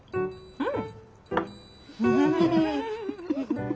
うん。